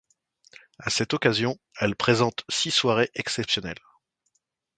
À cette occasion, elle présente six soirées exceptionnelles.